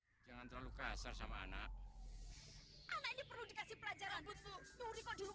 hai jangan terlalu kasar sama anak anak ini perlu dikasih pelajaran